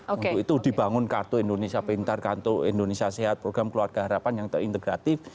untuk itu dibangun kartu indonesia pintar kartu indonesia sehat program keluarga harapan yang terintegratif